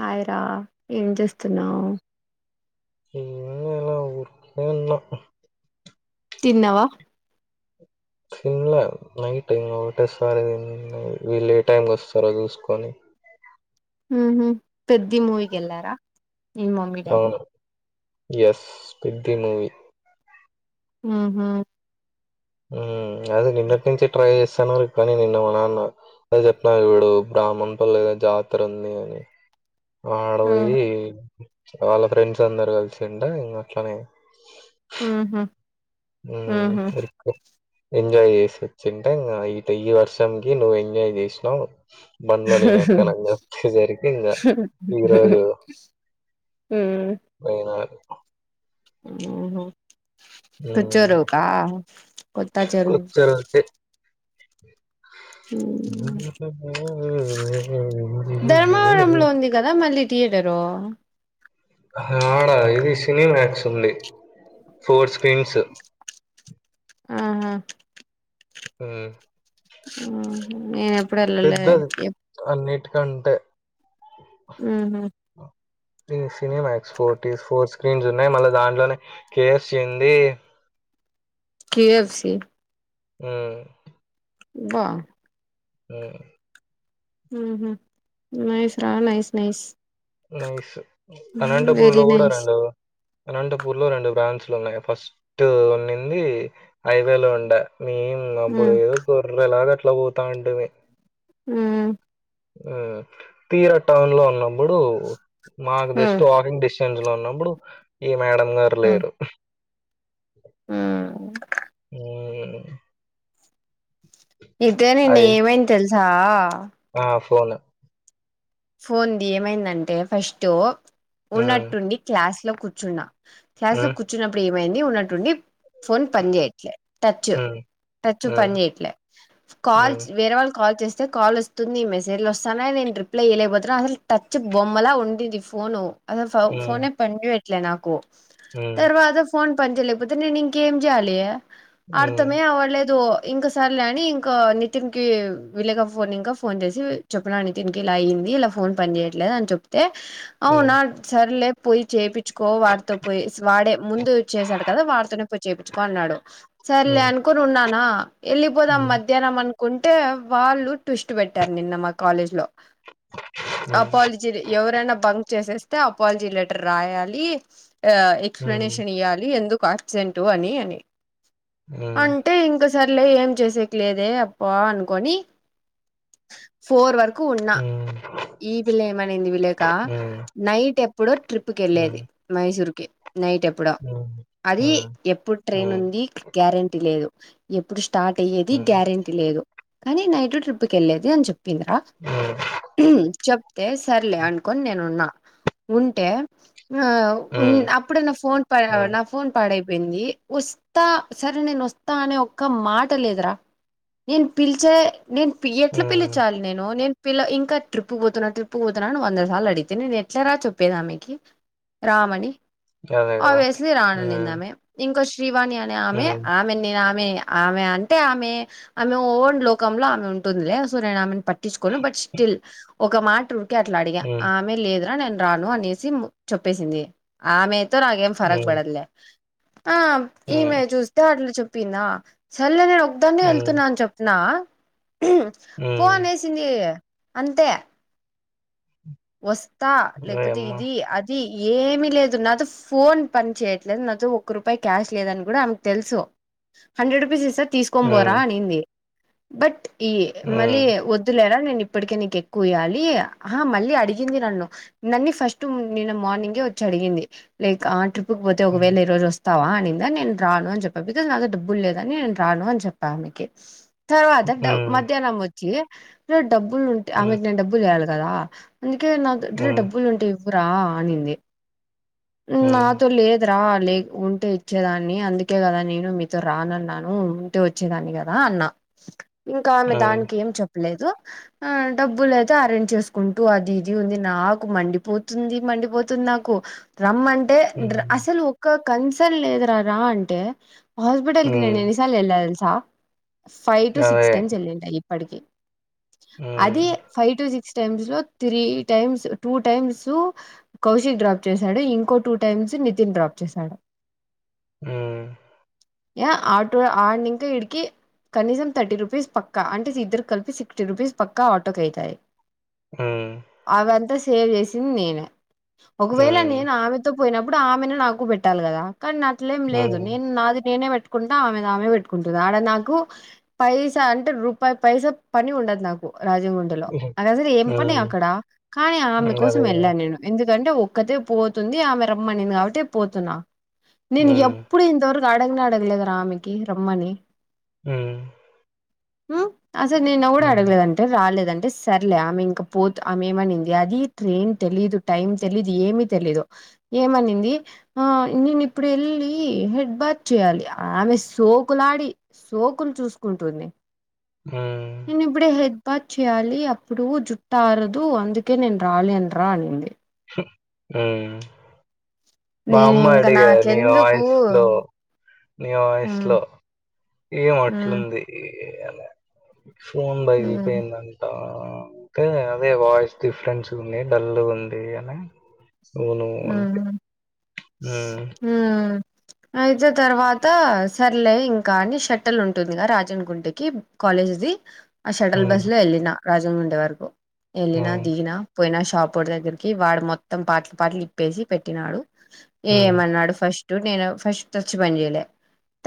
Hi రా ఏం చేస్తున్నావ్ ఇలా ఊరుకె ఉన్న తిన్న వా తిన్న నైట్ ఒకటేసారి వీళ్ళు ఏ టైంకి వస్తారో చూసుకొని ఊహు పెద్ది మూవీకి వెల్లార అవును ఎస్ పెద్ది మూవీ ఊహు హు అదె నిన్నటి నుంచి ట్రై చేస్తాన కానీ నిన్న మాన్నాన్న అది చెప్పారు చూడు బ్రాహ్మణ పల్లీ జాతర ఉంది అని ఆడ పోయి వాళ్ళ ఫ్రెండ్స్ అందరూ కలిసుంటే అట్లనే ఊహు మ్ చెప్పు ఎంజాయ్ చేసి వచ్చింటే ఇంకా ఇ ఈ వర్షానికి నువ్వు ఎంజాయ్ చేసినావు బండ్లో నేను ఎక్కనని చెప్పేసరికి ఇంగ ఈరోజు మ్ పోయినాడు మ్ కొత్ హ్మ్. చెరువు కా కొత్త చెరువు ఓకె ధర్మవరంలో ఉంది కదా మల్లి థియేటరు ఆడ ఇది సినీ మాక్స్ ఉంది ఫోర్ స్క్రీన్స్ ఆహా మ్ మ్హు నేను ఎప్పుడు ఎల్లలేదే పెద్దది ఎప్ అన్నిటికంటే మ్ హు ఈ సినిమాక్స్ ఫోర్ టీ ఫోర్ స్క్రీన్స్ ఉన్నాయి మళ్ళ దాంట్లోనే కే ఎఫ్ సి ఉంది. కే ఎఫ్ సి మ్మ్ అబ్బా మ్ మ్ హు నైస్ రా nice nice nice Anantapur very లో కూడా నైస్ రెండు అనంతపూర్ లో రెండు బ్రాంచ్లు ఉన్నాయి ఫస్ టు ఉన్నింది హైవేలో ఉండ మేం ఇంగ ఉ అబ్బుడు గొర్రె లాగ అట్ల పోతాంటిమి. మ్ మ్ తీర టౌన్ లో ఉన్నబ్బుడు మాకు ఉ జెస్ట్ వాకింగ్ డిస్ టెన్స్ లో ఉన్నబ్బుడు ఇగ మేడం గారు హ్మ్ లేరు. హ్మ్ మ్ అయితె నిన్న అయి ఏమైంది తెలుసా ఆ ఫోన్ ఫోన్ ది ఏమైందంటే ఫస్ట్ హ్మ్. ఉన్నట్టుండి క్లాస్ లో కూర్చున్న. క్లాస్ లో హ్మ్. కూర్చున్నప్పుడు ఏమైంది ఉన్నట్టుండి ఫోన్ పని చేయ ట్లే టచ్ హ్మ్. టచ్ పని చేయట్లే కాల్స్ హ్మ్. వేరే వాళ్ళు కాల్ చేస్తే కాలోస్ వస్తుంది, మెసేజ్ లు వస్తానాయి, నేను రిప్లై ఇయ్యలేకపోతున్నా. అసలు టచ్ బొమ్మలా ఉండింది ఫోను అసలు ఫ హ్మ్. ఫోనే పని చేయట్ల నాకు హ్మ్. తర్వాత ఫోన్ పని చేయలేకపోతే నేను ఇంకేం చెయాలి హ్మ్. అర్థమే అవ్వలేదు ఇంక సర్లే అని ఇంక నితిన్ కి విలేఖ ఫోన్ నింకా ఫోన్ చేసి చెప్పన నితిన్ ఇలా అయింది ఇల ఫోన్ పని చేయట్లేదు అని చెప్తే హ్మ్. అవునా సరేలే పోయి చేపి చ్చుకో వాడితో పోయెస్ వాడే ముందు చేసాడు కదా వాడితోనే పోయి చేపిచ్చుకో అన్నాడు. సరలే హ్మ్. అను కొనున్నాన ఎళ్లిపోదాం హ్మ్. మధ్ ధ్యానం అనుకుంటే వాళ్ళు ట్విస్ట్ పెట్టారు నిన్న మా కాలేజ్ లో హ్మ్. అపాలి జిది ఎవరైనా బంక్ చేసేస్తే అపాలజీ లెటర్ రాయాలి ఆ ఎక్ హ్మ్. ఎక్స్ప్లనేషన్ ఇయ్యాలి ఎందుకు ఆబ్సెంటు అని అని హ్మ్. అంటే ఇంక సర్లే ఏం చేసేకి లేదే అబ్బా అనుకోని ఫోర్ వర్ కు వున్నా. హ్మ్. హ్మ్. ఈ పిల్ల ఏమనింది విలేఖ హ్మ్. నైట్ ఎప్ ఎప్పుడో హ్మ్. ట్రిప్కెల్లేది మైసూర్కి నైట్ ఎప్ ఇప్పుడు హ్మ్. హ్మ్. అది హ్మ్. ఎప్పుడు ట్రైన్ హ్మ్. ఉంది గ్యారెంటీ లేదు ఎప్పుడు స్టార్ట్ అయ్యేది హ్మ్. గ్యారెంటీ లేదు కానీ నైట్ ట్రిప్కి వెళ్ళేది అని చెప్పిందిరా అ చెప్తే సర్లే అనుకొని నేనున్న ఉంటే ఆ హ్మ్. అప్పుడు నా ఫోన్ ప హ్మ్. ఫోన్ పాడైపోయింది వస్తా సరే నేను వస్తా అనే ఒక్క మాట లేదుర నేను పిలిచే నేను ఎట్ల హ్మ్. పిలిచాలి నేను నేన్ పిల్ల ఇంకా ట్రిప్ పోతున్నా ట్రిప్పు పోతున్నాని వంద సార్లు అడిగితే నేను ఎట్లా రా చెప్పేదామెకి రామని అదే గదా! [unintelligible] రాను అనింది హ్మ్. ఆమె ఇంకో శ్రీవాణి అనే ఆమె హ్మ్. ఆమె నేను ఆమె ఆమె అంటే ఆమె ఆమె ఓన్ లోకంలో ఆమె ఉంటుందిలే సూర్యని ఆమె పట్ బట్ స్టిల్ ఒక మాట ఉరికే అట్లా అడిగా హ్మ్. ఆమె లేదురా నే రాను అనేసి చెప్పేసింది ఆమెతో నాకేం ఫరక్ హ్మ్. పడదులే ఆ ఈమె హ్మ్. చూస్తే వాటిలు చెప్పిందా సరలే నేను ఒకదాన్న హ్మ్. వెళ్తున్నాను చాప్ పో హ్మ్. అనేసింది అంతే వస్తా లేకపోతే ఓయమ్మ! ఇది ఏమి లేదు నాతో ఫోన్ పని చేయట్లేదు నాతో ఒక్క రూపాయి క్యాష్ లేదని కూడ ఆమెకు తెలుసు హండ్రె రూపీస్స్ ఇస్తా తీస్ హ్మ్. [unintelligible] అనింది బట్ ఈ మళ్ళీ హ్మ్. వద్దులేరా నేను ఇప్పటికే నీకు ఎక్కువ ఇయ్యాలి మళ్ళీ అ అడిగింది నన్ను నన్ని ఫస్ట్ నిన్న మార్నింగే వచ్చి అడిగింది [unintelligible] [unintelligible] పోతే హ్మ్. ఒకవేళ ఈరోజు వస్ తవా అనిందని నేను రాను అని చెప్పను బికజ్ నాతో డబ్బులు లేదని నేను రాను అని చెప్పా ఆమెకి తర్వాత హ్మ్. మధ్యానం వచ్చి డబ్బులు [unintelligible] హ్మ్. ఆమెకి నేను డబ్బులు వేయాలి కదా అందుకే న హ్మ్. డబ్బులు ఉంటే ఇవరా అనింది హ్మ్. నాతో లే రా లే ఉంటే ఇచ్చేదాన్ని అందుకే కదా నేను మీతో రానన్నాను ఉంటే వచ్చేదాన్ని కదా అన్న ఇంకా ఆమె హ్మ్. దానికి ఏం చెప్పలేదు ఆ డబ్బులుయితే అరేంజ్ చేసుకుం అది ఇది ఉంది నాకు మండిపోతుంది మండిపోతుంది నాకు రమ్మంట అంటే హ్మ్. అసలు ఒక కన్సన్ లేదు రా ర అంటే హాస్పిటల్ కి నేను హ్మ్. ఎన్ని [unintelligible] ఫైవ్ టు సిక్స్ అదే. టైన్స్ వెళ్ళింట ఇప్పటికి హ్మ్. అది ఫైవ్ టు సిక్స్ టైమ్స్ లో three times two times Kaushik drop చేశాడు ఇంకో టూ టైమ్స్ నితిన్ డ్రాప్ చేశాడు హు [unintelligible] కనీసం థర్టీ రూపీస్ పక్క అంటే ఇద్దరు కలిపి సిక్స్టీ రూపీస్ పక్క ఆటోకి అవుతాయి ఉ అవంతా సేవ్ చేసింది నేనే ఒకవేల హ్మ్. నేను ఆమె పోయినప్పుడు ఆమెనే నాకు పెట్టాలి కదా కానీ అట్లేం లేదు హ్మ్. నేను నాది నేనే పె పెట్కుంట ఆమెది ఆమె పెట్టుకుంటుంది ఆడ నాకు పైసా అంటే రూపాయి పైస పని ఉండదు నాకు రాజే హ్మ్. [unintelligible] అసలు ఏం పనే హ్మ్. అక్కడ కానీ ఆమె కోసం అదే గదా! వెళ్ళా నేను ఎందుకంటే ఒక్కతే పోతుంది ఆమె రమ్మనింది కాబట్టి పోతున్న నేను హ్మ్. ఎప్పుడు ఇంతవరకు అడగనే అడగలేదరా ఆమికి రమ్మణి హు ఉ అసలు నిన్న కూడ హ్మ్. అడగలేదంట రాలేదంటే సర్లే ఆమె ఇంక పోత్ ఆమేమనింది అదీ ట్రేన్ తెలీదు టైం తెలీదు ఏమీ తెలీదు ఏమనిందీ ఆ నీన్ ఇప్పుడెళ్ళీ హెడ్ బాత్ చేయాలి ఆమె సోకులాడి సోకుల్ చూస్కుంటుంది ఉమ్ ఇప్పుడే హెడ్ బాత్ చేయాలి అప్పుడూ జుట్టారదూ అందుకే నేన్ రాలేన్రా అనింది హుమ్ నేను బామ్మ ఇంక అడిగా నీ నాకెందుకు వాయిస్లో నీ హ్మ్ వాయిస్లో ఏం హ్మ్ అట్లుందీ ఫోన్ హ్మ్ బగిలిపోయిందన్న దా అంటే అదే వాయిస్ డిఫరెన్స్ ఉంది డల్లు గుందీ అన్యా ఔనూ అంటి ఉమ్ ఉమ్ అయితే తర్వాతా సర్లే ఇంకా అని షట్టల్ ఉంటుందిగా రాజన్ గుంటెకిబ్ కాలేజ్ది ఆ షటల్ బస్ హ్మ్. లో ఎళ్ళినా రాజన్ గుంట వరకు ఎళ్ళినా హ్మ్. దిగినా పోయిన షాప్ వోడి దగ్గర్కీ వాడు మొత్తం పాట్లు పాట్లు ఇప్పేసీ పెట్టినాడు హ్మ్. ఏమన్నాడు ఫస్టు నేను ఫస్ట్ టచ్చు పన్ జేయల్యా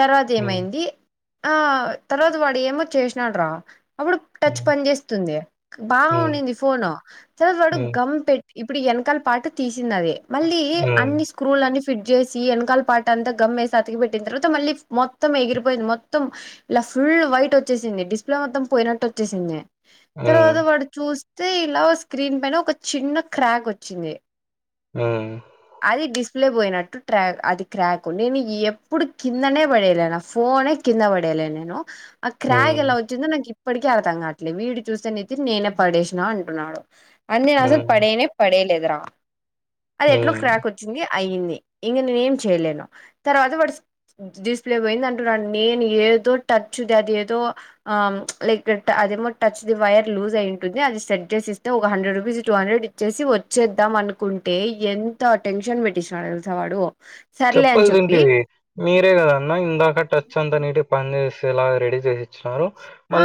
తర్వాత హ్మ్. ఏమైంది ఆ తర్వాత వాడు ఏమో చేసినాడ్రా అప్పుడు టచ్ హ్మ్. పని జేస్తుంది బా హ్మ్. ఉన్నింది ఫోను తర్వాత హ్మ్. వాడు హ్మ్. గమ్ పెట్ ఇప్పుడీ ఎనకాల పాటు తీసిన్నాది మళ్ళీ హ్మ్. అన్ని క్రూలన్నీ ఫిట్ జేసీ ఎన్కాల్ పాటంత గమ్మేసి అతికి పెట్టిన్ తర్వాత మళ్ళీ మొత్తం ఎగిరిపోయింది మొత్తం ఇలా ఫుల్ వైట్ వచ్చేసింది డిస్ప్లే మొత్తం పోయినట్టొచ్చేసింది హ్మ్. తర్వాత వాడు చూస్తే ఇలా స్క్రీన్ పైన ఒక చిన్న క్రాక్ వచ్చింది ఉమ్ అదీ డిస్ప్లే బోయినట్టు ట్రాక్ అది క్రాకు నేను ఎప్పుడు కిందనే పడేల్యా న ఫోనే కింద పడయలే నేను ఆ క్రాగ్ హ్మ్. ఎలా చ్చిందో నాక్ ఇప్పటికీ అర్తం కాట్లేదు వీడు చూస్తే నీతి నేనే పడేసినా అంటున్నాడు అన్నీ అసద్ హ్మ్. పడేనే పడేలేదు రా అదెట్లో హ్మ్. క్రాక్ వచ్చింది అయ్యింది ఇంగ నువ్ ఏం చేయలేను తర్వాత వాడు డిస్ప్లే పోయింది అంటున్నాడ్ నేన్ ఏదో టచ్చుదదేదో ఆమ్ ప్చ్ లైక్దట్ అదేమో టచ్ది వయర్ లూజ్ అయి ఉంటుంది అది సెట్ జేసిస్తే ఒక హండ్రెడ్ రుపీస్ టూ హండ్రెడ్ ఇచ్చేసి వచ్చేద్దాం అనుకుంటే ఎంత టెన్షన్ పెట్టిచ్చినాడు తెలుసా వాడు సర్లే అని చెప్పి చెప్పాల్సింటివీ మీరే గదన్న ఇందాక టచ్ అంతా నీటిగా పన్ జేసేలా రెడీ చేసి నారు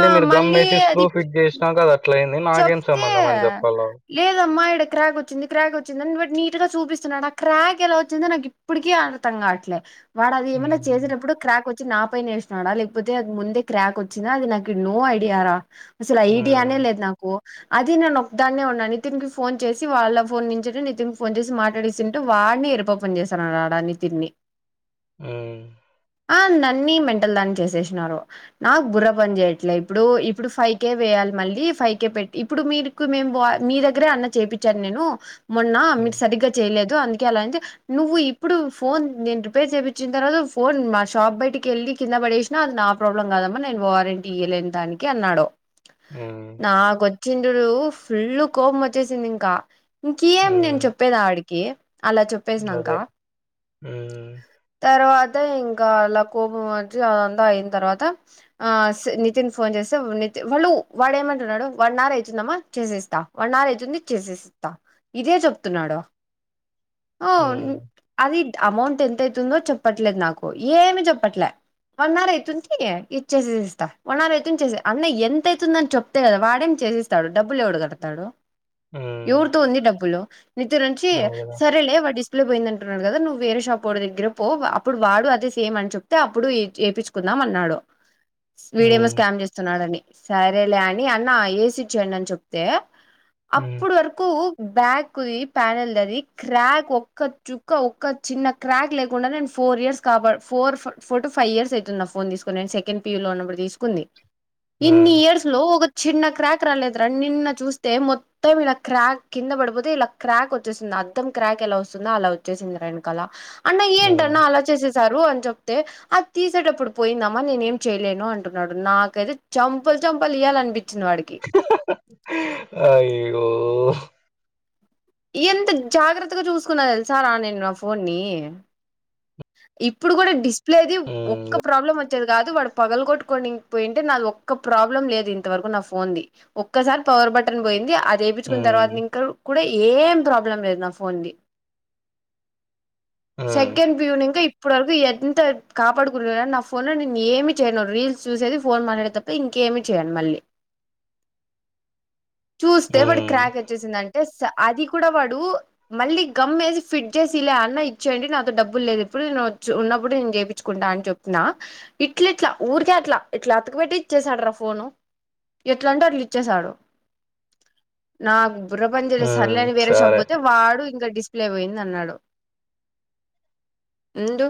ఆ మీరు గమ్ మళ్ళీ వేసి స్క్రూ అది ఫిట్ జేసినాక అది అట్ల అయింది నాకేం చెప్తే సంబంధం అని జె ప్లో లేదమ్మా ఈడ క్రాక్ వచ్చింది క్రాక్ వచ్చిందన్ బట్ నీటుగ చూపిస్తున్నాడ్ అ క్రాక్ ఎలా వచ్చిందో నాక్ ఇప్పుడికీ అర్థం కావట్లే వాడదీ ఏమన్న హ్మ్. చేసేటప్పుడు క్రాక్ వచ్ నా పైనేసినాడా లేక్పోతే అది ముందే క్రాక్ వచ్చిందా అది నాకు నో ఐడియా రా అసల్ హ్మ్. ఐడియానే లేదు నాకూ అదీ నేన్ ఒక్దాన్నే ఉన్నా నితిన్కి ఫోన్ చేసి వాళ్ళ ఫోన్ నుంచి నితిన్ ఫోన్ చేసి మాట్డేసింటే వాడ్ని ఎర్రి పప్పన్ జేసాన్ రాడా నితిన్నీ ఉమ్ ఆ నన్నీ మెంటల్ దాన్ని చేసేషినారు నాక్ బుర్ర పన్ జేయట్లే ఇప్పుడూ ఇప్పుడు ఫైవ్ కే వేయాలి మళ్ళీ ఫైవ్ కే పెట్ ఇప్పుడు మీరుకు మేం బా మీ దగ్గరే అన్న చేపిచ్చాన్ నేనూ మొన్నా మీర్ హ్మ్. సరిగ్గా చేయలేదు అందుకే అలా అయింద్ జెప్ నువ్వు ఇప్పుడు ఫోన్ నేన్ రిపేర్ చేచిన తర్వాత ఫోన్ మా షాప్ బయటికి వెళ్ళి కింద పడేసి నాది నా ప్రాబ్లం కాదమ్మా నేను వారెంటీ ఇయ్యలేను దానికి అన్నాడు ఊ నాకొచ్చిందిడు ఫుల్లు కోపమొచ్చేసిందికా ఇంకేం నేను హ్మ్. చెప్ ప్పేది ఆడికి అలా చెప్పేసినంక అదే. హ్మ్. తర్వాత ఇంకా అలా కోపమొచ్చి అదంతా అయ్యిన తర్వాత ఆ స్ నితిన్ ఫోన్ చేస్తే వ్ నితి వోళ్ళు వాడేమన్ తున్నాడు వన్ అవర్ అయితుందమ్మా చేసేస్తా వన్ అవర్ అయితుంది చేసేసితా ఇదే చెప్తున్నాడు అవున్ హ్మ్. అది అమౌంట్ ఎంత అయితుందో చెప్పట్లేదు నాకు ఏమీ చెప్పట్లే వన్ అవర్ అయితుంది ఇచ్చేసేస్తా వన్ అవర్ అయితుంది చేసే అన్న ఎంత అయితుందని చెప్ తే కదా వాడేం చేసిస్తాడు డబ్బులు ఎవడు కడతాడు హ్మ్. ఎవరితో ఉంది డబ్బులు నితరుంచి అవును గదా! సరేలే వాడిస్ ప్లే పొయ్యిందంటున్నాడు కదా నువ్వు వేరేషాప్పోడి దగ్గిర పో అప్పుడు వాడూ అదే సేమ్ అని చెప్తే అప్పుడు ఈ ఏపిచ్చు కుందాం అన్నాడు వీడేమో హ్మ్. స్కామ్ చేస్తున్నాడని సరేలే అని అన్న ఏసిచ్చేయండి అని చెప్ తే హ్మ్. అప్పుడు వరకూ బ్యాకుది ప్యానెల్ దది క్రాక్ ఒక్క చుక్క ఒక్క చిన్న క్రాక్ లేకుడా నేను ఫోర్ ఇయర్స్ కాపాడు four four to five years ఐతుంది నా ఫోన్ తీసుకొని నేను సెకండ్ పి యూ లో ఉన్నప్పుడు తీసుకుంది ఇన్ని హ్మ్. ఇయర్స్ లో ఒక చిన్న క్రాక్ రాలేదురా నిన్న చూస్తే మొ త్తం ఇలా క్రాక్ కింద పడిపోతే ఇలా క్రాక్ వచ్చేసింది అద్దం క్రాక్ ఎలా వస్తుందో అలా వచ్చేసింది రా ఎనకాల అన్న హ్మ్. ఏంటన్నా అలా చేసేసారు అని చెప్తే అది తీసేటప్పుడు పోయిందమ్మ నేనేం చెయ్యలేను అంటున్నాడు నాకైతే చంపలు చంపలు ఇయ్యాలన్పి చ్చింది వాడికి అయ్యో ఎంత జాగ్రత్తగా చూసుకున్నా తెలుసా రా నేను నా ఫోన్ ని ఇప్పుడు కూడా డిస్ప్లేది ఒక్క హ్మ్. ప్రాబ్లమొ త్తేది కాదు వాడు పగలకొట్కోనింగ్ పోయ్యింటే నాది ఒక్క ప్రాబ్లం లేదు ఇంతవరకూ నా ఫోన్ ది ఒక్కసారి పవర్ బటన్ పోయింది అ జేపిచ్చున్న తర్వాత హ్మ్. నింకా కూడా ఏం ప్రాబ్లం లేదు నా ఫోన్ ది హ్మ్. సెకెన్ ఇక్ చూడనింకా ఇప్పటి వరకూ ఎంత కాపాడుకు [unintelligible] నా ఫోన్ లో నేను ఏమీ చేయను రీల్స్ చూసేది ఫోన్ మాట్లాడేది త పింకేమీ చేయను మళ్ళీ చూస్తే వాడు హ్మ్. క్రాకె చ్చేసిందంటే సా అది కూడా వాడు మళ్ళీ గమ్ ఏసి ఫిట్ చేసి ఈలా అన్న ఇచ్చేయండి నాతో డబ్ బ్బులేదు ఇప్పుడు నేను వచ్చు ఉన్నప్పుడు నేను చేపిచ్చుకుంటా అని చొప్పినా ఇట్లిట్లా ఊరికే అట్లా ఇట్లా అతకు పెట్టి ఇచ్చేసాడు రా ఫోను ఎట్లంటే అట్లు ఇచ్చేసాడు నాకు బుర్ర పని చేయలే సరెలే హ్మ్. అని వేరే షాప్ సరే. పోతే వాడు ఇంకా డిస్ప్లే పోయింది అన్నాడు ఉండు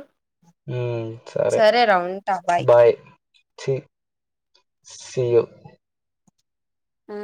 ఊ సరే బాయ్ ఛీ సీయూ ఊ